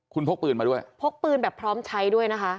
คุณพกปืนมาด้วยพกปืนแบบพร้อมใช้ด้วยนะคะ